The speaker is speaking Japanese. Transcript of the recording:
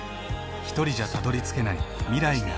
ひとりじゃたどりつけない未来がある。